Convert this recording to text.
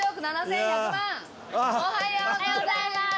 おはようございます！